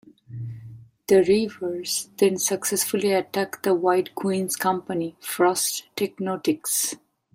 The Reavers then successfully attack the White Queen's company, Frost Technotics.